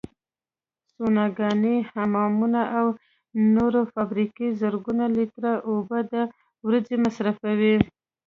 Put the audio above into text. سوناګانې، حمامونه او نورې فابریکې زرګونه لیتره اوبو د ورځې مصرفوي.